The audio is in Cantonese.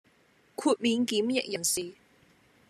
豁免檢疫人士